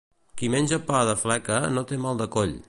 Qui menja pa de fleca no té mal de coll.